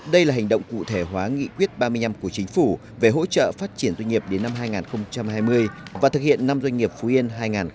đây là hành động cụ thể hóa nghị quyết ba mươi năm của chính phủ về hỗ trợ phát triển doanh nghiệp đến năm hai nghìn hai mươi và thực hiện năm doanh nghiệp phú yên hai nghìn ba mươi